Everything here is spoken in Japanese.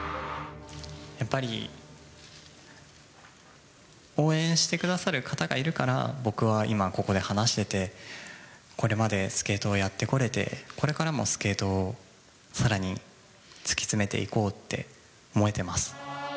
やっぱり、応援してくださる方がいるから僕は今ここで話してて、これまで、スケートをやってこれて、これからもスケートをさらに突き詰めていこうって思えてます。